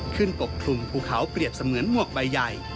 ปกคลุมภูเขาเปรียบเสมือนหมวกใบใหญ่